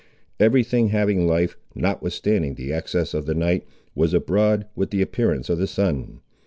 Every thing having life, notwithstanding the excesses of the night, was abroad with the appearance of the sun.